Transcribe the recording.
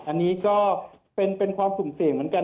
อันนี้ก็เป็นความสุ่มเสี่ยงเหมือนกัน